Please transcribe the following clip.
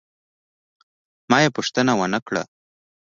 ما یې پوښتنه ونه کړه.